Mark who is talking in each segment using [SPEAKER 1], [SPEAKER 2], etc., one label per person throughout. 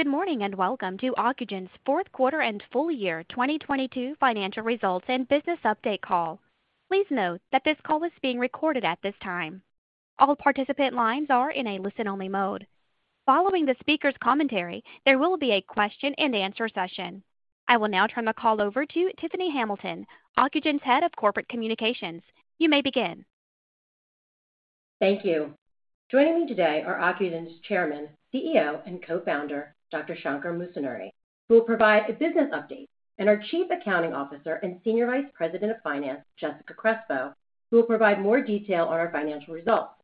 [SPEAKER 1] Good morning, and welcome to Ocugen's fourth quarter and full year 2022 financial results and business update call. Please note that this call is being recorded at this time. All participant lines are in a listen-only mode. Following the speaker's commentary, there will be a question-and-answer session. I will now turn the call over to Tiffany Hamilton, Ocugen's Head of Corporate Communications. You may begin.
[SPEAKER 2] Thank you. Joining me today are Ocugen's Chairman, CEO, and Co-Founder, Dr. Shankar Musunuri, who will provide a business update, and our Chief Accounting Officer and Senior Vice President of Finance, Jessica Crespo, who will provide more detail on our financial results.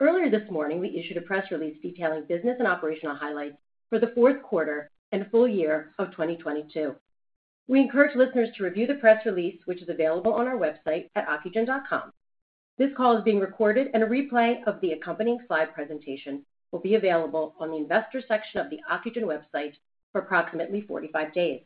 [SPEAKER 2] Earlier this morning, we issued a press release detailing business and operational highlights for the fourth quarter and full year of 2022. We encourage listeners to review the press release, which is available on our website at ocugen.com. This call is being recorded, and a replay of the accompanying slide presentation will be available on the investor section of the Ocugen website for approximately 45 days.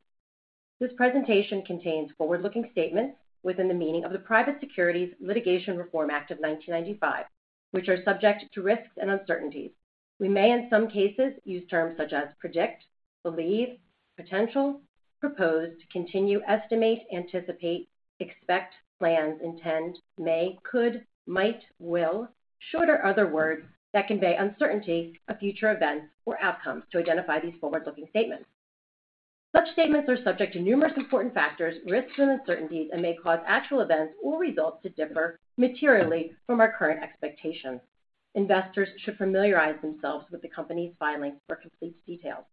[SPEAKER 2] This presentation contains forward-looking statements within the meaning of the Private Securities Litigation Reform Act of 1995, which are subject to risks and uncertainties. We may, in some cases, use terms such as predict, believe, potential, propose, to continue, estimate, anticipate, expect, plans, intend, may, could, might, will, should, or other words that convey uncertainty of future events or outcomes to identify these forward-looking statements. Such statements are subject to numerous important factors, risks, and uncertainties and may cause actual events or results to differ materially from our current expectations. Investors should familiarize themselves with the company's filings for complete details.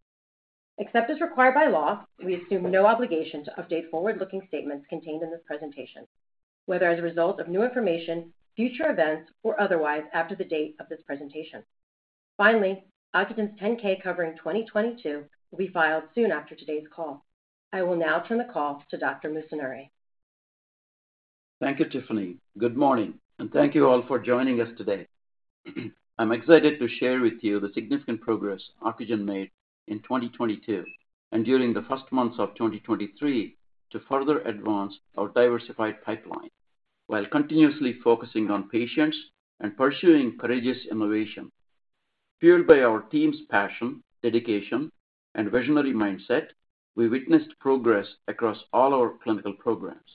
[SPEAKER 2] Except as required by law, we assume no obligation to update forward-looking statements contained in this presentation, whether as a result of new information, future events, or otherwise after the date of this presentation. Ocugen's 10-K covering 2022 will be filed soon after today's call. I will now turn the call to Dr. Musunuri.
[SPEAKER 3] Thank you, Tiffany. Good morning, and thank you all for joining us today. I'm excited to share with you the significant progress Ocugen made in 2022 and during the first months of 2023 to further advance our diversified pipeline while continuously focusing on patients and pursuing courageous innovation. Fueled by our team's passion, dedication, and visionary mindset, we witnessed progress across all our clinical programs.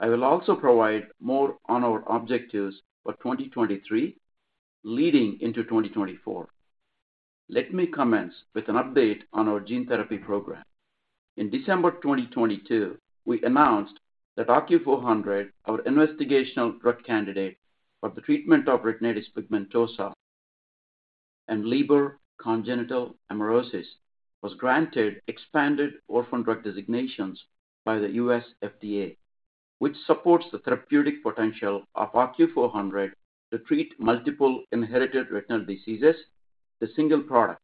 [SPEAKER 3] I will also provide more on our objectives for 2023 leading into 2024. Let me commence with an update on our gene therapy program. In December 2022, we announced that OCU400, our investigational drug candidate for the treatment of retinitis pigmentosa and Leber congenital amaurosis, was granted expanded orphan drug designations by the U.S. FDA, which supports the therapeutic potential of OCU400 to treat multiple inherited retinal diseases to single product.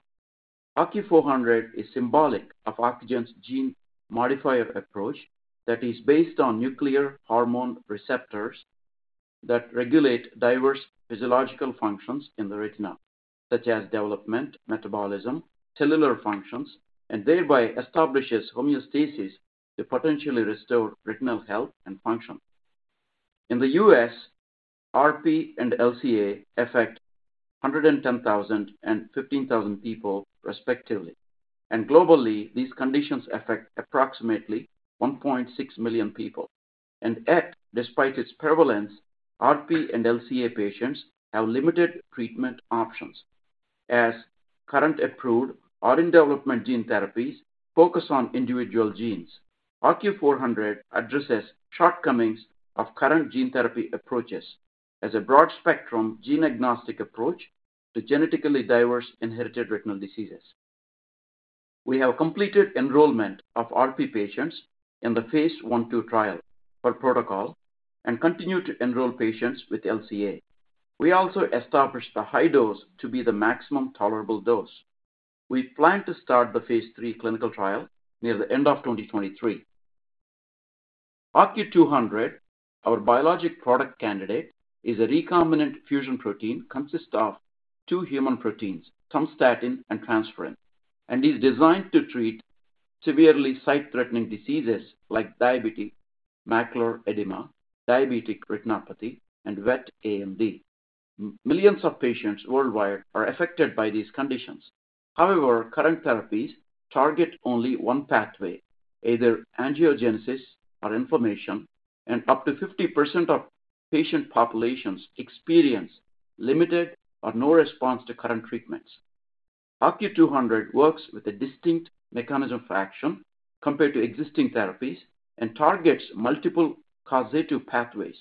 [SPEAKER 3] OCU400 is symbolic of Ocugen's gene modifier approach that is based on nuclear hormone receptors that regulate diverse physiological functions in the retina, such as development, metabolism, cellular functions, and thereby establishes homeostasis to potentially restore retinal health and function. In the U.S., RP and LCA affect 110,000 and 15,000 people respectively. Globally, these conditions affect approximately 1.6 million people. Yet, despite its prevalence, RP and LCA patients have limited treatment options. As current approved or in-development gene therapies focus on individual genes. OCU400 addresses shortcomings of current gene therapy approaches as a broad-spectrum gene-agnostic approach to genetically diverse inherited retinal diseases. We have completed enrollment of RP patients in the phase 1-two trial for protocol and continue to enroll patients with LCA. We also established the high dose to be the maximum tolerable dose. We plan to start the phase 3 clinical trial near the end of 2023. OCU200, our biologic product candidate, is a recombinant fusion protein consists of 2 human proteins, somatostatin and transferrin, and is designed to treat severely sight-threatening diseases like diabetes, macular edema, diabetic retinopathy, and wet AMD. Millions of patients worldwide are affected by these conditions. Current therapies target only one pathway, either angiogenesis or inflammation, and up to 50% of patient populations experience limited or no response to current treatments. OCU200 works with a distinct mechanism of action compared to existing therapies and targets multiple causative pathways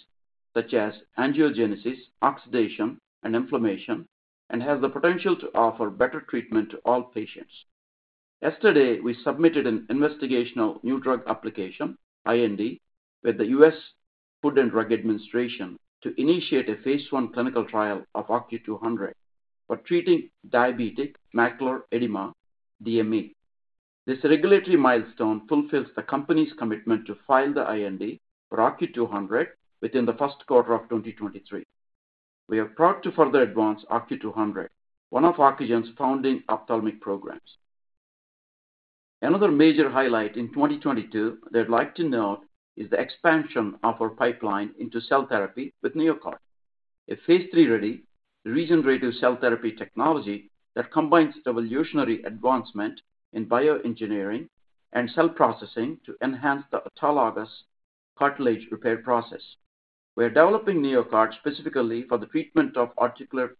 [SPEAKER 3] such as angiogenesis, oxidation, and inflammation, and has the potential to offer better treatment to all patients. Yesterday, we submitted an Investigational New Drug application, IND, with the U.S. Food and Drug Administration to initiate a phase 1 clinical trial of OCU200 for treating diabetic macular edema, DME. This regulatory milestone fulfills the company's commitment to file the IND for OCU200 within the first quarter of 2023. We are proud to further advance OCU200, one of Ocugen's founding ophthalmic programs. Another major highlight in 2022 that I'd like to note is the expansion of our pipeline into cell therapy with NeoCart. A phase 3-ready regenerative cell therapy technology that combines evolutionary advancement in bioengineering and cell processing to enhance the autologous cartilage repair process. We are developing NeoCart specifically for the treatment of articular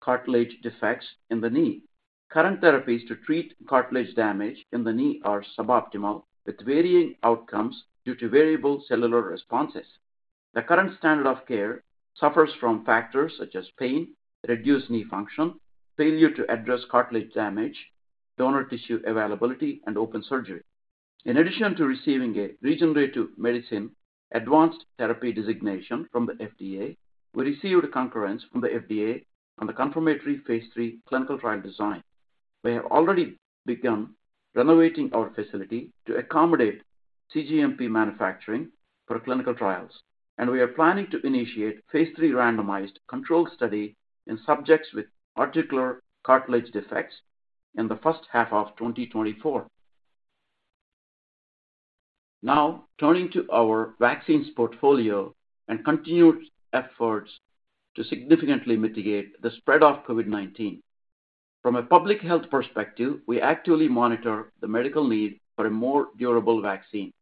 [SPEAKER 3] cartilage defects in the knee. Current therapies to treat cartilage damage in the knee are suboptimal, with varying outcomes due to variable cellular responses. The current standard of care suffers from factors such as pain, reduced knee function, failure to address cartilage damage, donor tissue availability, and open surgery. In addition to receiving a Regenerative Medicine Advanced Therapy designation from the FDA, we received concurrence from the FDA on the confirmatory phase 3 clinical trial design. We have already begun renovating our facility to accommodate cGMP manufacturing for clinical trials, and we are planning to initiate phase 3 randomized controlled study in subjects with articular cartilage defects in the first half of 2024. Now turning to our vaccines portfolio and continued efforts to significantly mitigate the spread of COVID-19. From a public health perspective, we actively monitor the medical need for a more durable vaccine,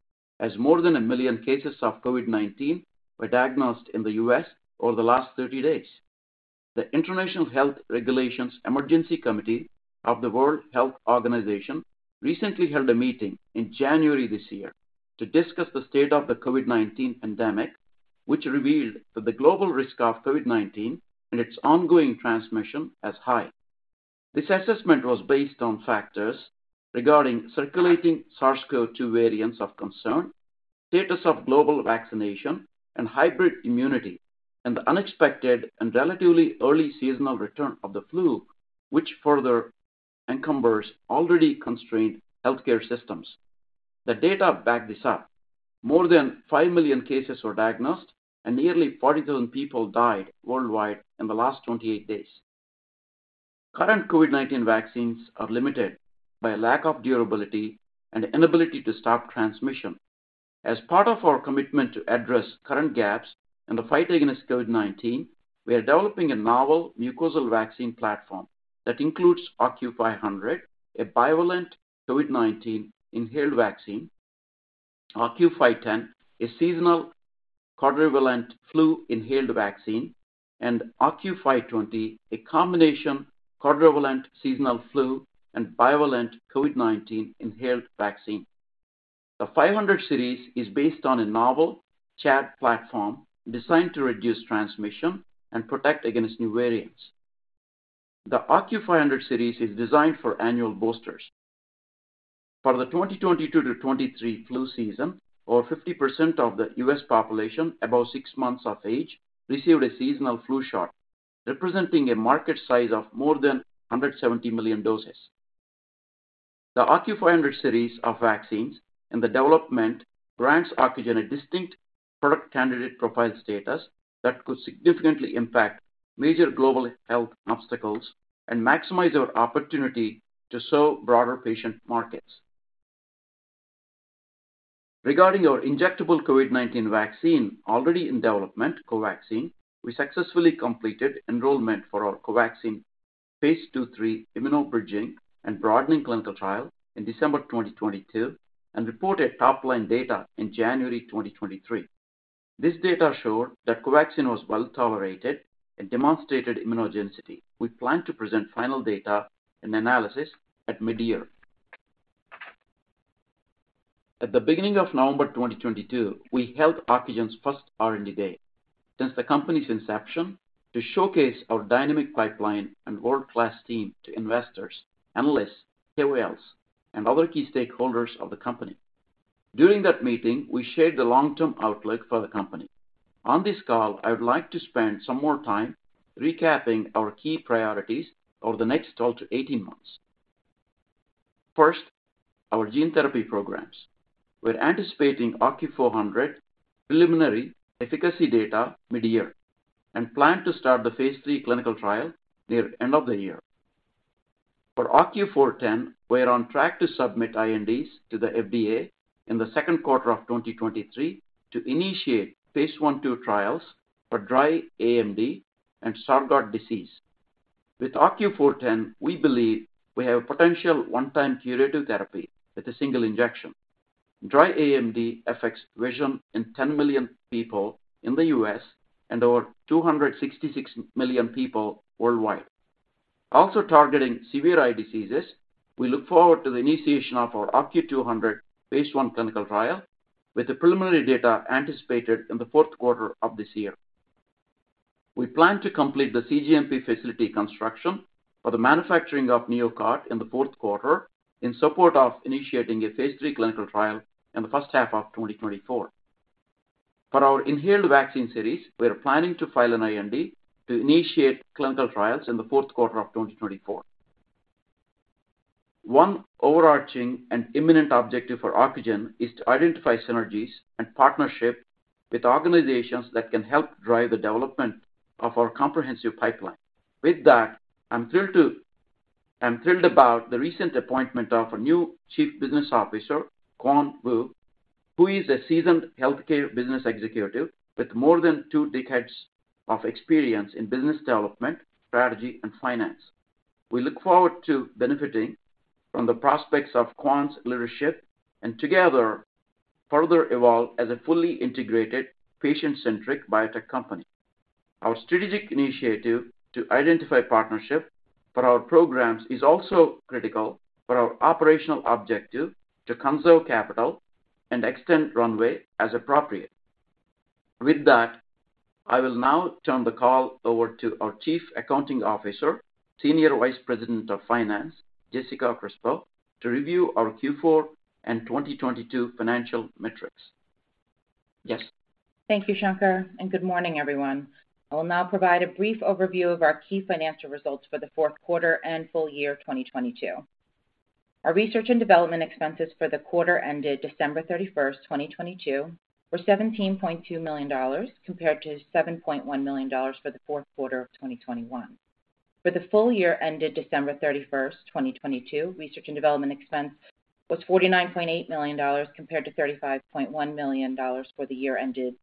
[SPEAKER 3] as more than a million cases of COVID-19 were diagnosed in the U.S. over the last 30 days. The International Health Regulations Emergency Committee of the World Health Organization recently held a meeting in January this year to discuss the state of the COVID-19 pandemic, which revealed that the global risk of COVID-19 and its ongoing transmission as high. This assessment was based on factors regarding circulating SARS-CoV-2 variants of concern, status of global vaccination and hybrid immunity, and the unexpected and relatively early seasonal return of the flu, which further encumbers already constrained healthcare systems. The data back this up. More than 5 million cases were diagnosed and nearly 40,000 people died worldwide in the last 28 days. Current COVID-19 vaccines are limited by a lack of durability and inability to stop transmission. As part of our commitment to address current gaps in the fight against COVID-19, we are developing a novel mucosal vaccine platform that includes OCU500, a bivalent COVID-19 inhaled vaccine; OCU510, a seasonal quadrivalent flu inhaled vaccine; and OCU520, a combination quadrivalent seasonal flu and bivalent COVID-19 inhaled vaccine. The OCU500 Series is based on a novel ChAd platform designed to reduce transmission and protect against new variants. The OCU500 Series is designed for annual boosters. For the 2022-2023 flu season, over 50% of the U.S. population above 6 months of age received a seasonal flu shot, representing a market size of more than 170 million doses. The OCU500 Series of vaccines and the development grants Ocugen a distinct product candidate profile status that could significantly impact major global health obstacles and maximize our opportunity to serve broader patient markets. Regarding our injectable COVID-19 vaccine already in development, COVAXIN, we successfully completed enrollment for our COVAXIN phase 2-3 immunobridging and broadening clinical trial in December 2022 and reported top-line data in January 2023. This data showed that COVAXIN was well-tolerated and demonstrated immunogenicity. We plan to present final data and analysis at midyear. At the beginning of November 2022, we held Ocugen's first R&D day since the company's inception to showcase our dynamic pipeline and world-class team to investors, analysts, KOLs, and other key stakeholders of the company. During that meeting, we shared the long-term outlook for the company. On this call, I would like to spend some more time recapping our key priorities over the next 12 to 18 months. First, our gene therapy programs. We're anticipating OCU400 preliminary efficacy data midyear and plan to start the phase 3 clinical trial near end of the year. For OCU410, we are on track to submit INDs to the FDA in the second quarter of 2023 to initiate phase 1-2 trials for dry AMD and Stargardt disease. With OCU410, we believe we have a potential one-time curative therapy with a single injection. Dry AMD affects vision in 10 million people in the U.S. and over 266 million people worldwide. Also targeting severe eye diseases, we look forward to the initiation of our OCU200 phase 1 clinical trial with the preliminary data anticipated in the fourth quarter of this year. We plan to complete the cGMP facility construction for the manufacturing of NeoCart in the fourth quarter in support of initiating a phase 3 clinical trial in the first half of 2024. For our inhaled vaccine series, we are planning to file an IND to initiate clinical trials in the fourth quarter of 2024. One overarching and imminent objective for Ocugen is to identify synergies and partnership with organizations that can help drive the development of our comprehensive pipeline. With that, I'm thrilled about the recent appointment of a new chief business officer, Quan A. Vu, who is a seasoned healthcare business executive with more than 2 decades of experience in business development, strategy, and finance. We look forward to benefiting from the prospects of Quan's leadership and together further evolve as a fully integrated patient-centric biotech company. Our strategic initiative to identify partnership for our programs is also critical for our operational objective to conserve capital and extend runway as appropriate. I will now turn the call over to our Chief Accounting Officer, Senior Vice President of Finance, Jessica Crespo, to review our Q4 and 2022 financial metrics. Jess?
[SPEAKER 4] Thank you, Shankar. Good morning, everyone. I will now provide a brief overview of our key financial results for the 4th quarter and full year 2022. Our research and development expenses for the quarter ended December 31st, 2022, were $17.2 million compared to $7.1 million for the 4th quarter of 2021. For the full year ended December 31st, 2022, research and development expense was $49.8 million compared to $35.1 million for the year ended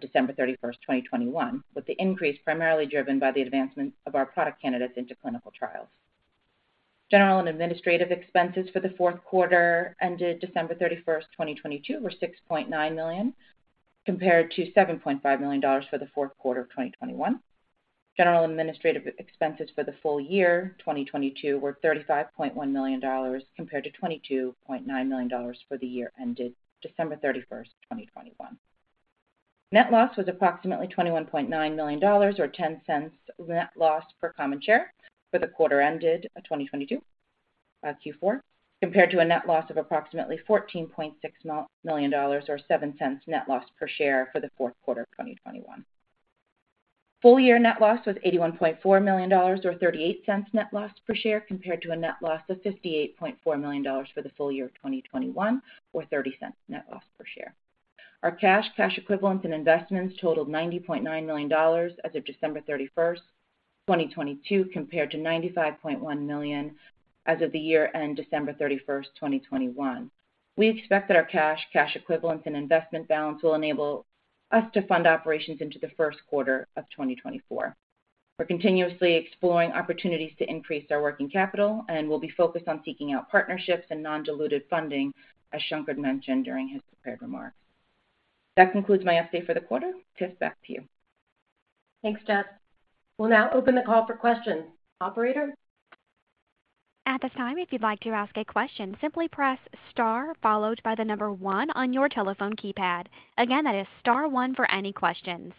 [SPEAKER 4] December 31st, 2021, with the increase primarily driven by the advancement of our product candidates into clinical trials. General and administrative expenses for the 4th quarter ended December 31st, 2022, were $6.9 million, compared to $7.5 million for the 4th quarter of 2021. General and administrative expenses for the full year 2022 were $35.1 million compared to $22.9 million for the year ended December 31, 2021. Net loss was approximately $21.9 million or $0.10 net loss per common share for the quarter ended 2022 Q4 compared to a net loss of approximately $14.6 million or $0.07 net loss per share for the fourth quarter of 2021. Full year net loss was $81.4 million or $0.38 net loss per share compared to a net loss of $58.4 million for the full year of 2021 or $0.30 net loss per share. Our cash equivalents, and investments totaled $90.9 million as of December 31, 2022, compared to $95.1 million as of the year-end December 31, 2021. We expect that our cash equivalents, and investment balance will enable us to fund operations into the first quarter of 2024. We're continuously exploring opportunities to increase our working capital, and we'll be focused on seeking out partnerships and non-dilutive funding, as Shankar mentioned during his prepared remarks. That concludes my update for the quarter. Tiff, back to you.
[SPEAKER 2] Thanks, Jess. We'll now open the call for questions. Operator?
[SPEAKER 1] At this time, if you'd like to ask a question, simply press star followed by 1 on your telephone keypad. Again, that is star 1 for any questions.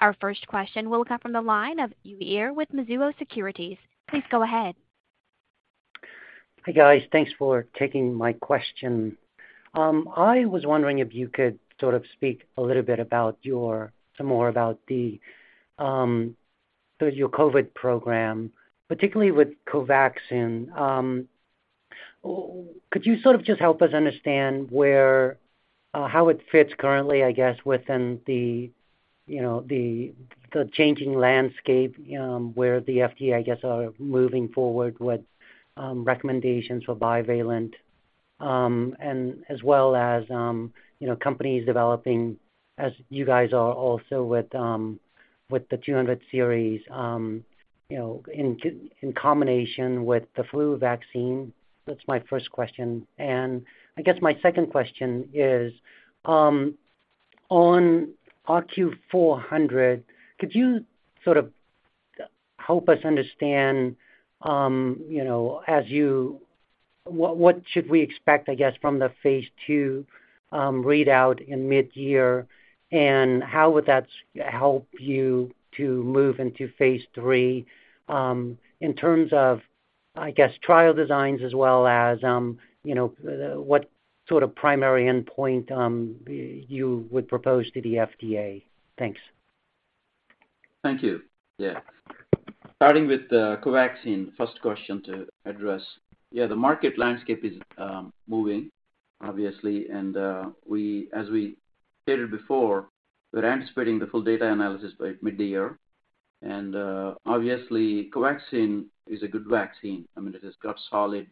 [SPEAKER 1] Our first question will come from the line of Uy Ear with Mizuho Securities. Please go ahead.
[SPEAKER 5] Hi, guys. Thanks for taking my question. I was wondering if you could sort of speak a little bit about Some more about the sort of your COVID program, particularly with COVAXIN. Could you sort of just help us understand where how it fits currently, I guess, within the, you know, the changing landscape, where the FDA, I guess, are moving forward with recommendations for bivalent, and as well as, you know, companies developing as you guys are also with with the 200 series, you know, in combination with the flu vaccine? That's my first question. I guess my second question is on OCU400, could you sort of help us understand, you know, as you...? What should we expect, I guess, from the phase 2 readout in mid-year, and how would that help you to move into phase 3, in terms of, I guess, trial designs as well as, you know, the, what sort of primary endpoint you would propose to the FDA? Thanks.
[SPEAKER 3] Thank you. Yeah. Starting with the COVAXIN, first question to address. Yeah, the market landscape is moving obviously, and we, as we stated before, we're anticipating the full data analysis by mid-year. Obviously, COVAXIN is a good vaccine. I mean, it has got solid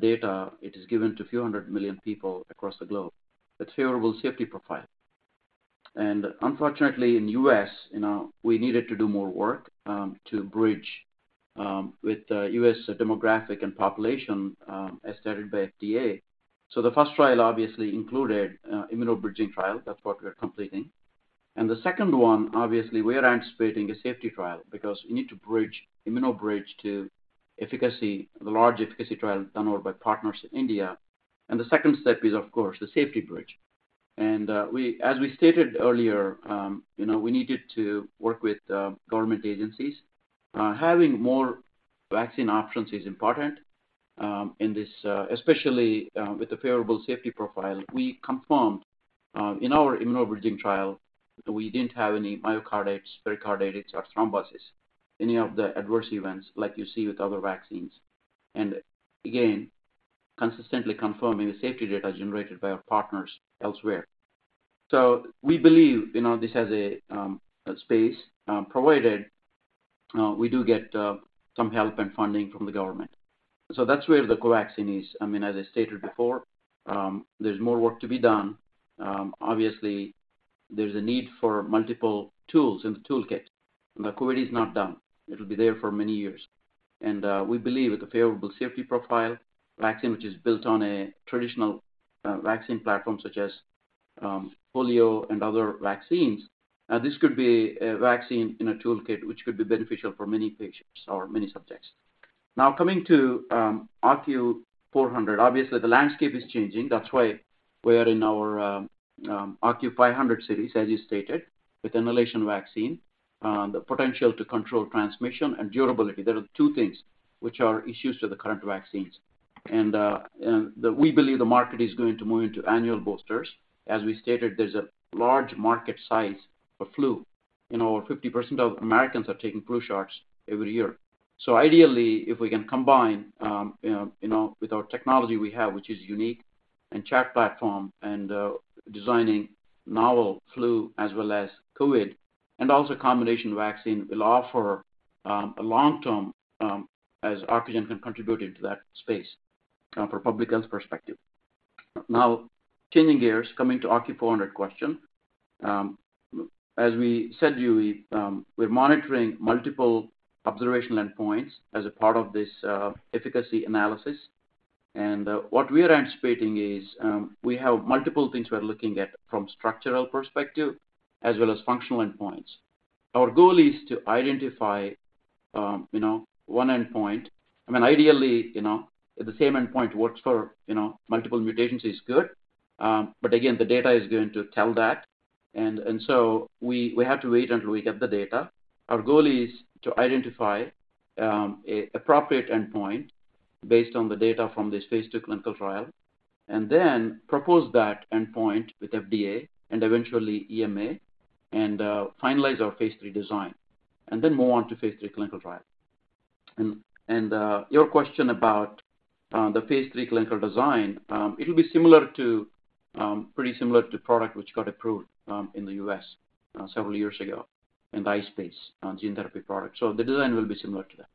[SPEAKER 3] data. It is given to a few hundred million people across the globe with favorable safety profile. Unfortunately, in U.S., you know, we needed to do more work to bridge with U.S. demographic and population, as stated by FDA. The first trial obviously included immunobridging trial. That's what we are completing. The second one, obviously we are anticipating a safety trial because we need to bridge immunobridge to efficacy, the large efficacy trial done over by partners in India. The second step is of course the safety bridge. We, as we stated earlier, you know, we needed to work with government agencies. Having more vaccine options is important, especially with the favorable safety profile. We confirmed, in our immunobridging trial, we didn't have any myocarditis, pericarditis or thromboses, any of the adverse events like you see with other vaccines. Again, consistently confirming the safety data generated by our partners elsewhere. We believe, you know, this has a space, provided we do get some help and funding from the government. That's where the COVAXIN is. I mean, as I stated before, there's more work to be done. Obviously, there's a need for multiple tools in the toolkit. The COVID is not done. It'll be there for many years. We believe with the favorable safety profile vaccine, which is built on a traditional vaccine platform such as polio and other vaccines, this could be a vaccine in a toolkit which could be beneficial for many patients or many subjects. Now coming to OCU400. Obviously, the landscape is changing. That's why we are in our OCU500 Series, as you stated, with inhalation vaccine, the potential to control transmission and durability. There are two things which are issues to the current vaccines. We believe the market is going to move into annual boosters. As we stated, there's a large market size for flu. You know, 50% of Americans are taking flu shots every year. Ideally, if we can combine, you know, you know, with our technology we have, which is unique and ChAd platform and designing novel flu as well as COVID, and also combination vaccine will offer a long-term as Ocugen can contribute into that space for public health perspective. Changing gears, coming to OCU400 question. As we said to you, we're monitoring multiple observational endpoints as a part of this efficacy analysis. What we are anticipating is, we have multiple things we are looking at from structural perspective as well as functional endpoints. Our goal is to identify, you know, one endpoint. I mean, ideally, you know, if the same endpoint works for, you know, multiple mutations is good. Again, the data is going to tell that. We have to wait until we get the data. Our goal is to identify a appropriate endpoint based on the data from this phase 2 clinical trial, and then propose that endpoint with FDA and eventually EMA and finalize our phase 3 design, and then move on to phase 3 clinical trial. Your question about the phase 3 clinical design, it'll be similar to pretty similar to product which got approved in the U.S. several years ago in the eye space gene therapy product. The design will be similar to that.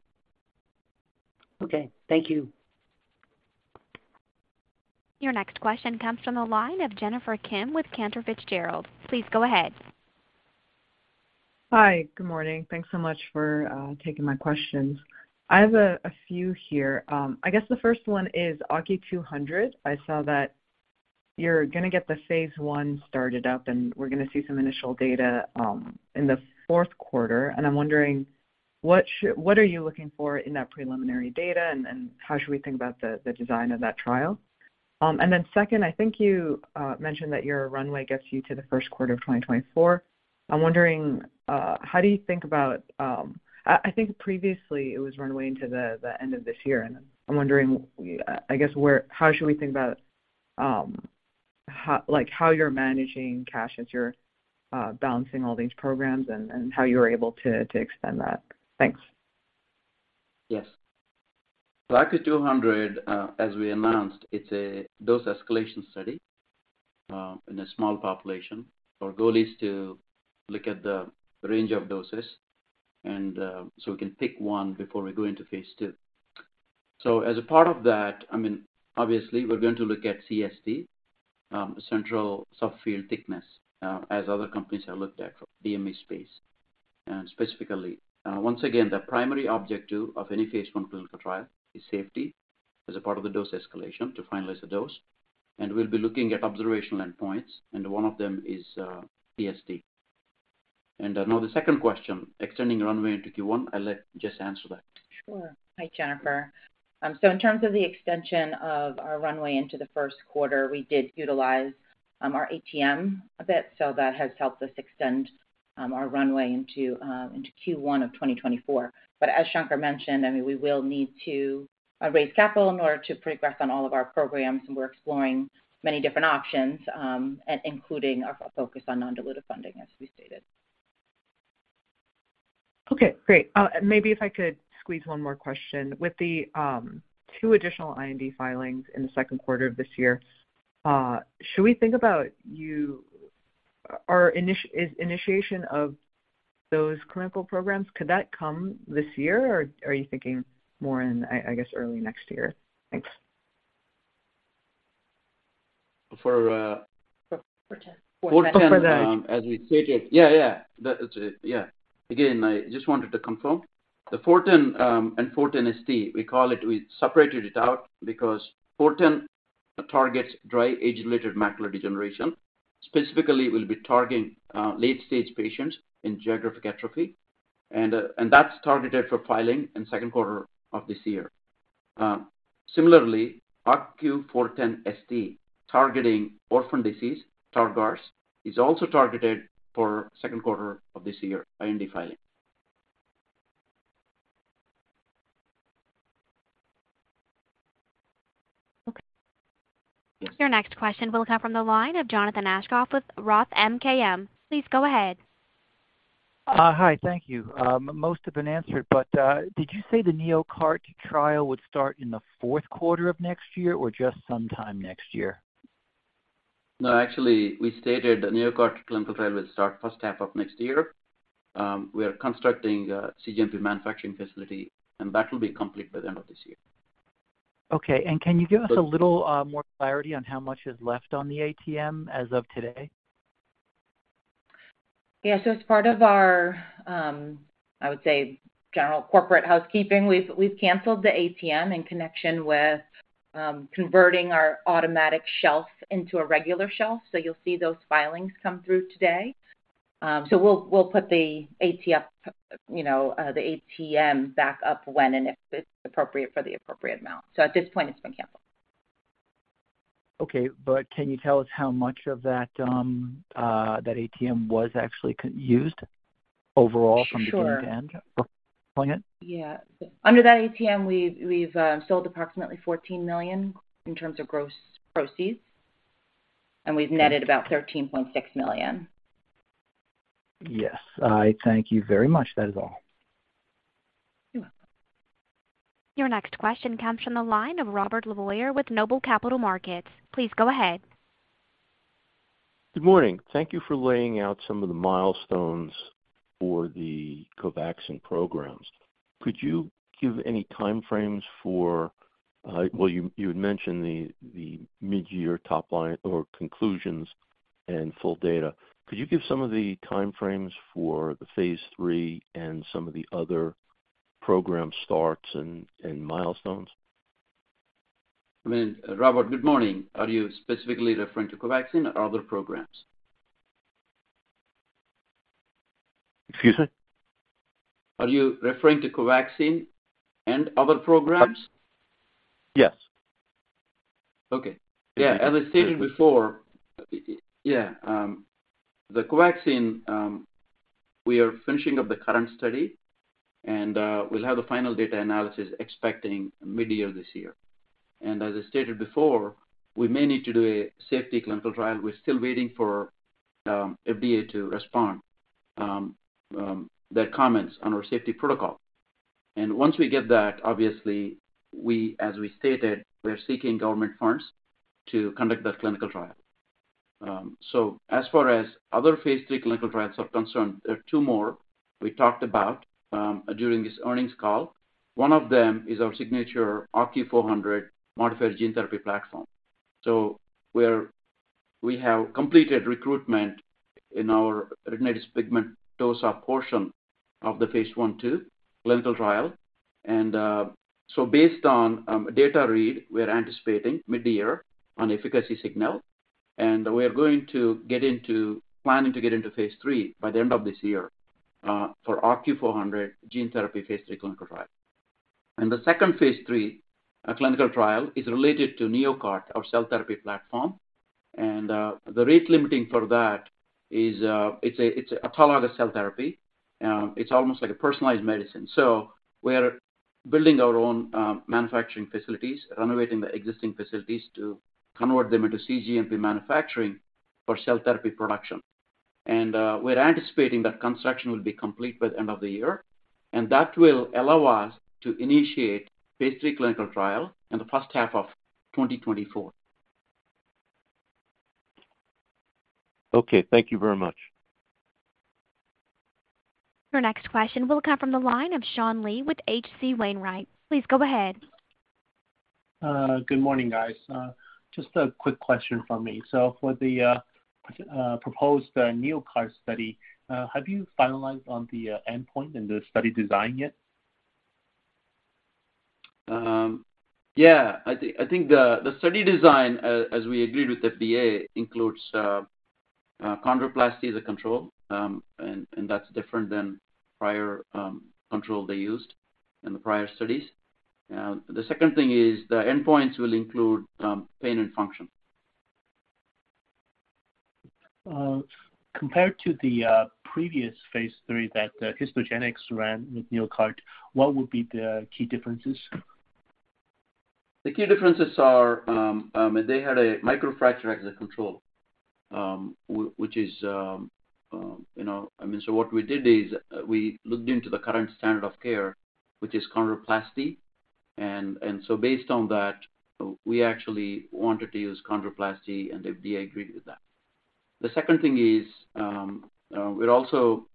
[SPEAKER 5] Okay, thank you.
[SPEAKER 1] Your next question comes from the line of Jennifer Kim with Cantor Fitzgerald. Please go ahead.
[SPEAKER 6] Hi. Good morning. Thanks so much for taking my questions. I have a few here. I guess the first one is OCU200. I saw that you're going to get the phase 1 started up, and we're going to see some initial data in the fourth quarter. I'm wondering what are you looking for in that preliminary data, and how should we think about the design of that trial? Second, I think you mentioned that your runway gets you to the first quarter of 2024. I'm wondering, how do you think about, I think previously it was runway into the end of this year. I'm wondering, I guess how should we think about, how, like, how you're managing cash as you're balancing all these programs and how you're able to extend that? Thanks.
[SPEAKER 3] Yes. OCU200, as we announced, it's a dose escalation study, in a small population. Our goal is to look at the range of doses and so we can pick one before we go into phase 2. As a part of that, I mean, obviously we're going to look at CST, central subfield thickness, as other companies have looked at for DME space, specifically. Once again, the primary objective of any phase 1 clinical trial is safety as a part of the dose escalation to finalize the dose. We'll be looking at observational endpoints, and one of them is CST. Now the second question, extending runway into Q1. I'll let Jess answer that.
[SPEAKER 4] Sure. Hi, Jennifer. In terms of the extension of our runway into the first quarter, we did utilize our ATM a bit. That has helped us extend our runway into Q1 of 2024. As Shankar mentioned, I mean, we will need to raise capital in order to progress on all of our programs. We're exploring many different options, including our focus on non-dilutive funding, as we stated.
[SPEAKER 6] Okay, great. Maybe if I could squeeze one more question. With the 2 additional IND filings in the second quarter of this year, should we think about is initiation of those clinical programs, could that come this year, or are you thinking more in early next year? Thanks.
[SPEAKER 3] For.
[SPEAKER 4] For 10.
[SPEAKER 3] For OCU410, as we stated. Yeah. It's, yeah. Again, I just wanted to confirm. OCU410 and OCU410ST, we call it, we separated it out because OCU410 targets dry age-related macular degeneration. Specifically, we'll be targeting late-stage patients in geographic atrophy. That's targeted for filing in second quarter of this year. Similarly, OCU410ST, targeting orphan disease, Stargardt disease, is also targeted for second quarter of this year IND filing.
[SPEAKER 1] Okay. Your next question will come from the line of Jonathan Aschoff with ROTH MKM. Please go ahead.
[SPEAKER 7] Hi. Thank you. Most have been answered, but did you say the NeoCart trial would start in the fourth quarter of next year or just sometime next year?
[SPEAKER 3] No, actually, we stated the NeoCart clinical trial will start first half of next year. We are constructing a cGMP manufacturing facility, and that will be complete by the end of this year.
[SPEAKER 7] Okay. Can you give us a little more clarity on how much is left on the ATM as of today?
[SPEAKER 4] Yes. As part of our, I would say, general corporate housekeeping, we've canceled the ATM in connection with converting our automatic shelf into a regular shelf. You'll see those filings come through today. We'll put the ATM, you know, the ATM back up when and if it's appropriate for the appropriate amount. At this point it's been canceled.
[SPEAKER 7] Okay. can you tell us how much of that ATM was actually used overall?
[SPEAKER 4] Sure
[SPEAKER 7] from beginning to end for it?
[SPEAKER 4] Yeah. Under that ATM, we've sold approximately $14 million in terms of gross proceeds, and we've netted about $13.6 million.
[SPEAKER 7] Yes. All right. Thank you very much. That is all.
[SPEAKER 4] You're welcome.
[SPEAKER 1] Your next question comes from the line of Robert LeBoyer with Noble Capital Markets. Please go ahead.
[SPEAKER 8] Good morning. Thank you for laying out some of the milestones for the COVAXIN programs. Could you give any time frames for, well, you had mentioned the mid-year top line or conclusions and full data. Could you give some of the time frames for the phase 3 and some of the other program starts and milestones?
[SPEAKER 3] I mean, Robert, good morning. Are you specifically referring to COVAXIN or other programs?
[SPEAKER 8] Excuse me?
[SPEAKER 3] Are you referring to COVAXIN and other programs?
[SPEAKER 8] Yes.
[SPEAKER 3] Okay. As I stated before, the COVAXIN, we are finishing up the current study and we'll have the final data analysis expecting mid-year this year. As I stated before, we may need to do a safety clinical trial. We're still waiting for FDA to respond their comments on our safety protocol. Once we get that, obviously, we, as we stated, we're seeking government funds to conduct that clinical trial. As far as other phase 3 clinical trials are concerned, there are two more we talked about during this earnings call. One of them is our signature OCU400 modified gene therapy platform. We have completed recruitment in our retinitis pigmentosa portion of the phase 1/2 clinical trial. Based on data read, we're anticipating mid-year on efficacy signal, and we are going to get into planning to get into phase 3 by the end of this year for OCU400 gene therapy phase 3 clinical trial. The second phase 3 clinical trial is related to NeoCart, our cell therapy platform. The rate limiting for that is it's autologous cell therapy. It's almost like a personalized medicine. We are building our own manufacturing facilities, renovating the existing facilities to convert them into cGMP manufacturing for cell therapy production. We're anticipating that construction will be complete by the end of the year, and that will allow us to initiate phase 3 clinical trial in the first half of 2024.
[SPEAKER 8] Okay, thank you very much.
[SPEAKER 1] Your next question will come from the line of Sean Lee with H.C. Wainwright & Co. Please go ahead.
[SPEAKER 9] Good morning, guys. Just a quick question from me. For the proposed NeoCart study, have you finalized on the endpoint and the study design yet?
[SPEAKER 3] Yeah. I think, I think the study design, as we agreed with the FDA, includes chondroplasty as a control, and that's different than prior control they used in the prior studies. The second thing is the endpoints will include pain and function.
[SPEAKER 9] Compared to the previous phase 3 that Histogenics ran with NeoCart, what would be the key differences?
[SPEAKER 3] The key differences are, they had a microfracture as a control, which is, you know. I mean, what we did is we looked into the current standard of care, which is chondroplasty. Based on that, we actually wanted to use chondroplasty, and the FDA agreed with that. The second thing is, we're also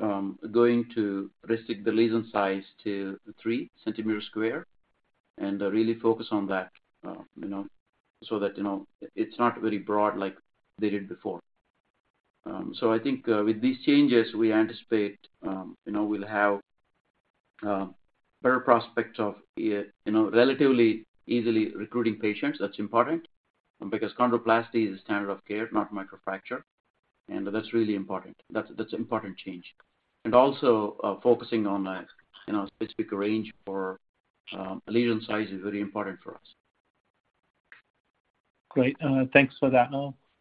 [SPEAKER 3] going to restrict the lesion size to 3 centimeter square and really focus on that, you know, so that, you know, it's not very broad like they did before. So I think with these changes, we anticipate, you know, we'll have better prospects of, you know, relatively easily recruiting patients. That's important because chondroplasty is the standard of care, not microfracture. That's really important. That's important change. Also, focusing on a, you know, specific range for lesion size is very important for us.
[SPEAKER 9] Great. Thanks for that.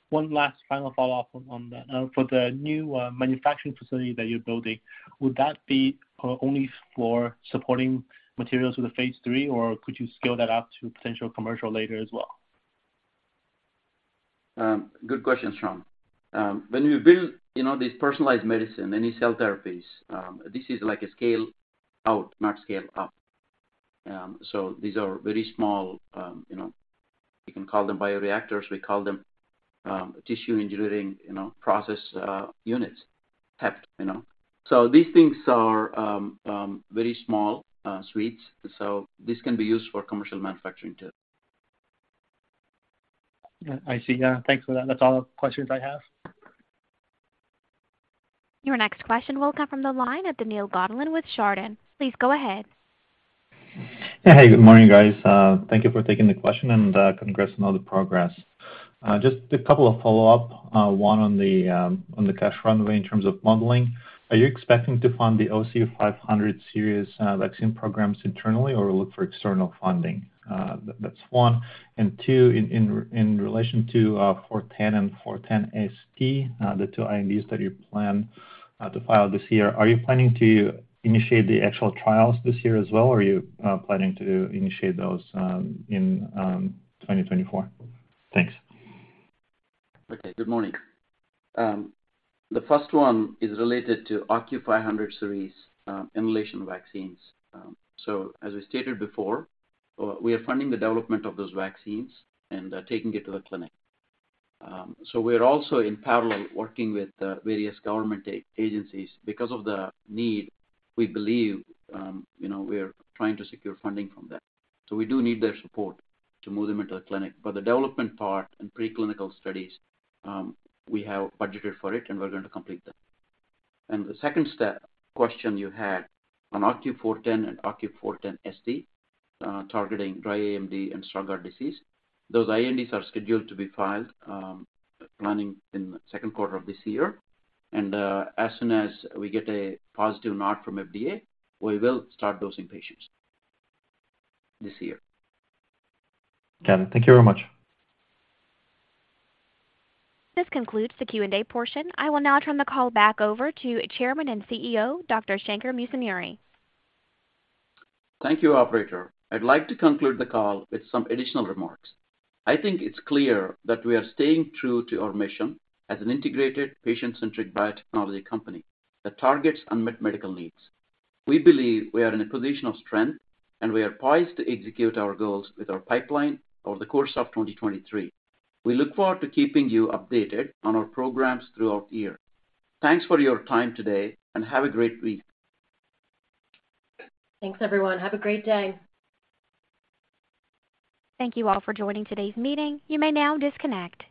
[SPEAKER 9] One last final follow-up on that. For the new manufacturing facility that you're building, would that be only for supporting materials for the phase 3, or could you scale that up to potential commercial later as well?
[SPEAKER 3] Good question, Sean. When you build, you know, these personalized medicine, any cell therapies, this is like a scale out, not scale up. So these are very small, you know, you can call them bioreactors. We call them tissue engineering, you know, process units, TEPT, you know. So these things are very small suites, so this can be used for commercial manufacturing too.
[SPEAKER 9] Yeah, I see. Yeah, thanks for that. That's all the questions I have.
[SPEAKER 1] Your next question will come from the line of Daniil Gataulin with Chardan. Please go ahead.
[SPEAKER 10] Yeah. Hey, good morning, guys. Thank you for taking the question. Congrats on all the progress. Just a couple of follow-up, one on the cash runway in terms of modeling. Are you expecting to fund the OCU500 Series vaccine programs internally or look for external funding? That's one. Two, in relation to OCU410 and OCU410ST, the 2 IND study plan to file this year, are you planning to initiate the actual trials this year as well, or are you planning to initiate those in 2024? Thanks.
[SPEAKER 3] Okay, good morning. The first one is related to OCU500 Series, inhalation vaccines. As I stated before, we are funding the development of those vaccines and taking it to the clinic. We're also in parallel working with various government agencies. Because of the need, we believe, you know, we are trying to secure funding from them. We do need their support to move them into the clinic. The development part and preclinical studies, we have budgeted for it, and we're going to complete that. The second step question you had on OCU410 and OCU410ST, targeting dry AMD and Stargardt disease. Those INDs are scheduled to be filed, planning in second quarter of this year. As soon as we get a positive nod from FDA, we will start dosing patients this year.
[SPEAKER 10] Got it. Thank you very much.
[SPEAKER 1] This concludes the Q&A portion. I will now turn the call back over to Chairman and CEO, Dr. Shankar Musunuri.
[SPEAKER 3] Thank you, operator. I'd like to conclude the call with some additional remarks. I think it's clear that we are staying true to our mission as an integrated patient-centric biotechnology company that targets unmet medical needs. We believe we are in a position of strength, and we are poised to execute our goals with our pipeline over the course of 2023. We look forward to keeping you updated on our programs throughout the year. Thanks for your time today, and have a great week.
[SPEAKER 2] Thanks, everyone. Have a great day.
[SPEAKER 1] Thank you all for joining today's meeting. You may now disconnect.